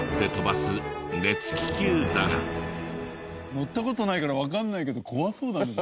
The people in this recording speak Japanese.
乗った事ないからわかんないけど怖そうだよね。